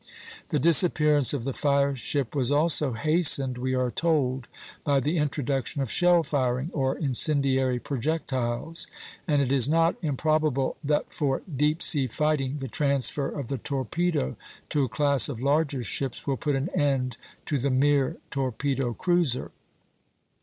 The disappearance of the fire ship was also hastened, we are told, by the introduction of shell firing, or incendiary projectiles; and it is not improbable that for deep sea fighting the transfer of the torpedo to a class of larger ships will put an end to the mere torpedo cruiser.